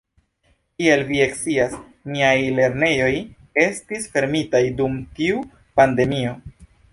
Kiel vi scias, niaj lernejoj estis fermitaj dum tiu pandemio.